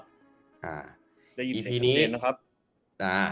ได้ยินเสียงชัดเจนนะครับ